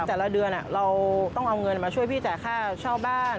แต่ละเดือนเราต้องเอาเงินมาช่วยพี่จ่ายค่าเช่าบ้าน